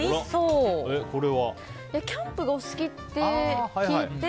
キャンプがお好きって聞いて。